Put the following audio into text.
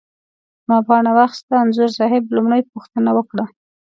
ما پاڼه واخسته، انځور صاحب لومړۍ پوښتنه وکړه.